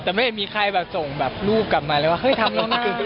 แต่ไม่เห็นมีใครส่งรูปกลับมาเลยว่าเฮ้ยทำแล้วน่า